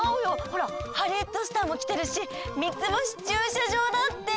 ほらハリウッドスターもきてるし三ツ星駐車場だって。